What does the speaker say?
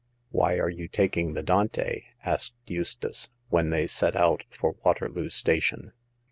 " Why are you taking the Dante ?" asked Eus tace, when they set out for Waterloo Station.